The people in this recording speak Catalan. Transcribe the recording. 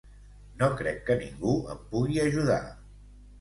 No crec que ningú em pugui ajudar.